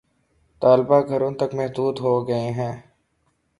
طلبا گھروں تک محدود ہو گئے ہیں